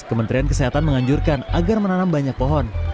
kementerian kesehatan menganjurkan agar menanam banyak pohon